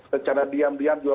secara diam diam juga